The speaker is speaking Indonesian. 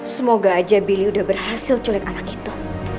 semoga aja billy udah berhasil culik anak itu